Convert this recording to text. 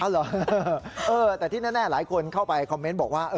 เหรอแต่ที่แน่หลายคนเข้าไปคอมเมนต์บอกว่า